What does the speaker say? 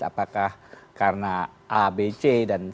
apakah karena abc dan sebagainya